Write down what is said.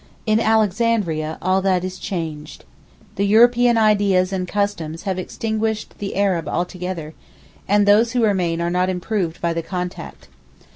In Alexandria all that is changed. The European ideas and customs have extinguished the Arab altogether, and those who remain are not improved by the contact.